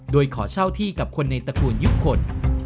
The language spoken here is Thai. โดยขอเช่าที่กับคนในตระกูลยุคคล